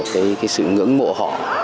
cái sự ngưỡng mộ họ